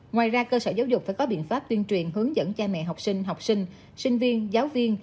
ngoài ra cơ sở giáo dục phải có biện pháp tuyên truyền hướng dẫn cha mẹ học sinh học sinh sinh viên giáo viên